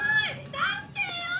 出してよ！